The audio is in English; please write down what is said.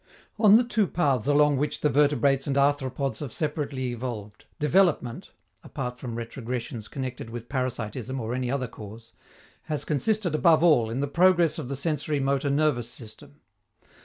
On the two paths along which the vertebrates and arthropods have separately evolved, development (apart from retrogressions connected with parasitism or any other cause) has consisted above all in the progress of the sensori motor nervous system.